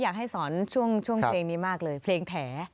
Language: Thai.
อยากให้สอนช่วงเพลงนี้มากเลยเพลงแผล